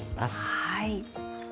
はい。